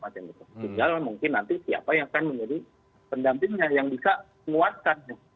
tinggal mungkin nanti siapa yang akan menjadi pendampingnya yang bisa menguatkan